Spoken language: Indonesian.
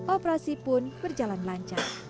operasi pun berjalan lancar